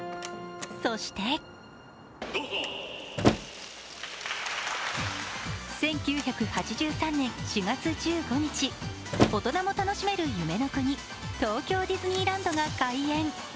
そして１９８３年４月１５日、大人も楽しめる夢の国、東京ディズニーランドが開園。